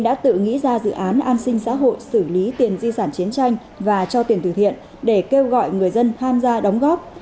ngoài đó nga cũng đã kêu gọi tham gia đầu tư dự án an sinh xã hội xử lý tiền di sản chiến tranh và cho tiền thực hiện để kêu gọi người dân tham gia đóng góp